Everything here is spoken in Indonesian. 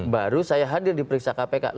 baru saya hadir diperiksa kpk